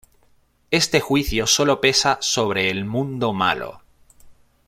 Este juicio sólo pesa sobre el mundo malo.